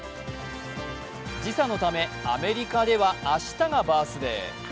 時差のため、アメリカでは明日がバースデー。